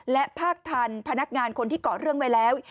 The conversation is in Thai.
และภาคทันพนักงานคนที่เกาะเรื่องไว้แล้ว